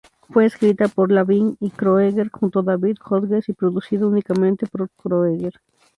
Fue escrita por Lavigne y Kroeger junto David Hodges, y producida únicamente por Kroeger.